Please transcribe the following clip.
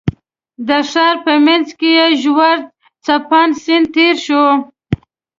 د ښار په منځ کې یې ژور څپاند سیند تېر شوی.